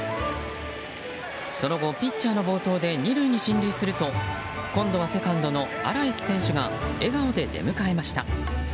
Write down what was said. その後、ピッチャーの暴投で２塁に進塁すると今度はセカンドのアラエス選手が笑顔で出迎えました。